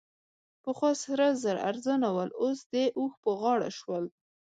پخوا سره زر ارزانه ول؛ اوس د اوښ په غاړه شول.